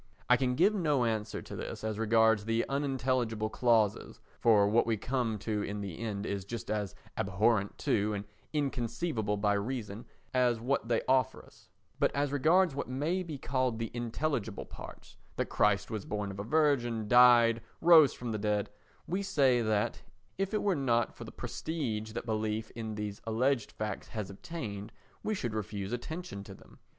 I can give no answer to this as regards the unintelligible clauses, for what we come to in the end is just as abhorrent to and inconceivable by reason as what they offer us; but as regards what may be called the intelligible parts—that Christ was born of a Virgin, died, rose from the dead—we say that, if it were not for the prestige that belief in these alleged facts has obtained, we should refuse attention to them.